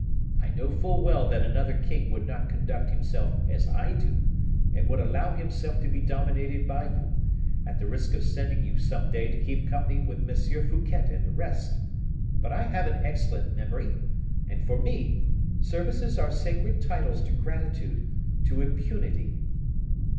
I know full well that another king would not conduct himself as I do, and would allow himself to be dominated by you, at the risk of sending you some day to keep company with M. Fouquet and the rest; but I have an excellent memory, and for me, services are sacred titles to gratitude, to impunity.